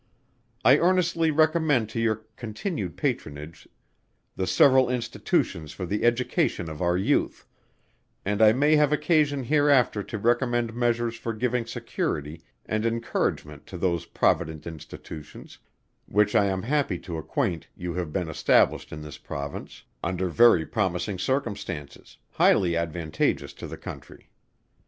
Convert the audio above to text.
I earnestly recommend to your continued patronage the several Institutions for the Education of our Youth; and I may have occasion hereafter to recommend measures for giving security and encouragement to those Provident Institutions, which I am happy to acquaint you have been established in this Province, under very promising circumstances, highly advantageous to the Country.